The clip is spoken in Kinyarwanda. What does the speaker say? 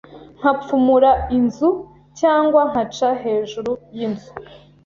nkapfumura inzu cyangwa nkaca hejuru y’inzu